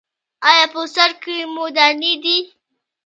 ایا په سر کې مو دانې دي؟